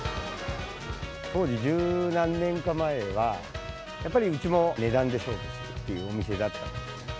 当時、十何年か前は、やっぱりうちも値段で勝負するというお店だったんです。